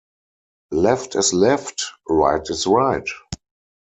Left is left, right is right.